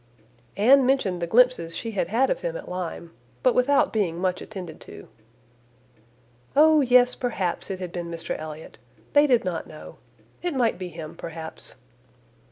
Anne mentioned the glimpses she had had of him at Lyme, but without being much attended to. "Oh! yes, perhaps, it had been Mr Elliot. They did not know. It might be him, perhaps."